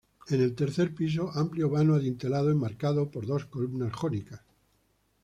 En el tercer piso, amplio vano adintelado enmarcado por dos columnas jónicas.